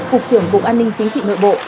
cục trưởng bộ an ninh chính trị nội bộ